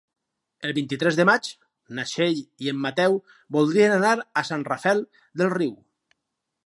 El vint-i-tres de maig na Txell i en Mateu voldrien anar a Sant Rafel del Riu.